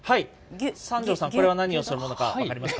三條さん、これは何をするものか分かりますか？